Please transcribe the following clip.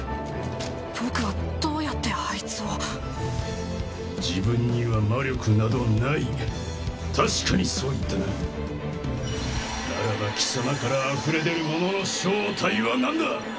僕はどうやってあいつを自分には魔力などない確かにそう言ったなならば貴様からあふれ出るものの正体は何だ！